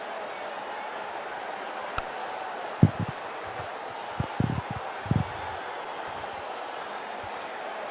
চার বছর আগের বিশ্বকাপের মতো অতটা দাপটের সঙ্গে আমি খেলতে পারিনি।